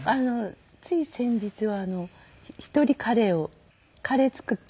つい先日は１人カレーをカレー作って。